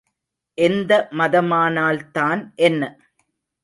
எந்த மதமானால்தான் என்ன?